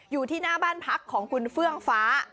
อยู่ที่หน้าบ้านพักของคุณเฟื่องฟ้า